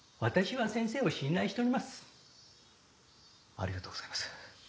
ありがとうございます。